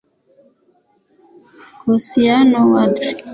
Kassiano Wadri